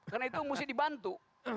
karena itu mesti dibantu